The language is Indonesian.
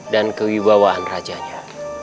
dan kewibawaan rajanya